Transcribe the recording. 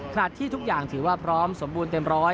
ที่ทุกอย่างถือว่าพร้อมสมบูรณ์เต็มร้อย